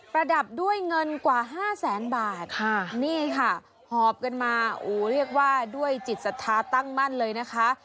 ระดับด้วยเงินกว่าห้าแสนบาทค่ะนี่ค่ะหอบกันมาโอ้เรียกว่าด้วยจิตศรัทธาตั้งมั่นเลยนะคะ